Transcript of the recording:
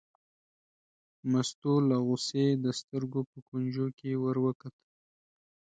مستو له غوسې د سترګو په کونجو کې ور وکتل.